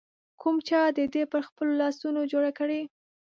کوم چا د ده پر خپلو لاسونو جوړه کړې